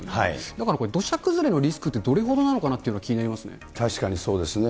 だからこれ、土砂崩れのリスクっていうのがどれほどなのかなっていうのが気に確かにそうですね。